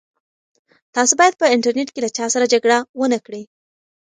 تاسي باید په انټرنيټ کې له چا سره جګړه ونه کړئ.